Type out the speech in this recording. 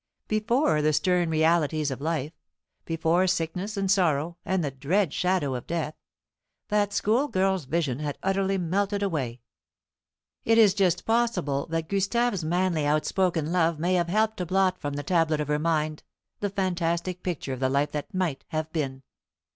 Before the stern realities of life before sickness and sorrow and the dread shadow of death that schoolgirl's vision had utterly melted away. It is just possible that Gustave's manly outspoken love may have helped to blot from the tablet of her mind the fantastic picture of the life that might have been.